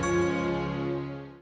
tidak ada apa apa